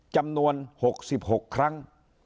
จำนวน๖๖ครั้ง